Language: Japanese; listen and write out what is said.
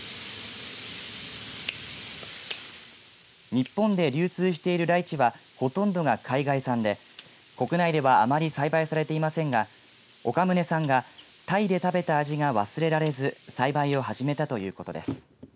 日本で流通しているライチはほとんどが海外産で国内ではあまり栽培されていませんが岡宗さんがタイで食べた味が忘れられず栽培を始めたということです。